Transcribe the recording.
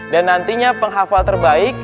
dan nantinya penghafal terbaik